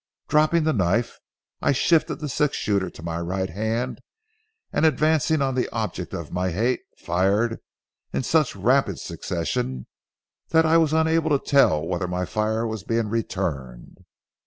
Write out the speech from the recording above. Dropping the knife, I shifted the six shooter to my right hand, and, advancing on the object of my hate, fired in such rapid succession that I was unable to tell even whether my fire was being returned.